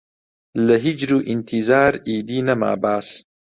لە هیجر و ئینتیزار ئیدی نەما باس